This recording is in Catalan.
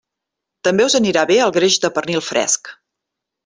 També us anirà bé el greix de pernil fresc.